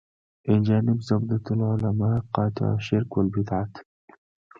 اینجانب زبدة العلما قاطع شرک و البدعت.